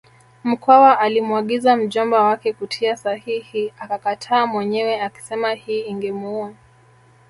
Mkwawa alimwagiza mjomba wake kutia sahihi akakataa mwenyewe akisema hii ingemuua